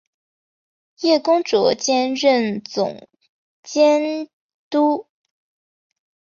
叶恭绰兼任总监督。